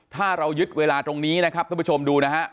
ถ้าเรายึดเวลาตรงนี้นะครับท่านผู้ชมดูนะฮะ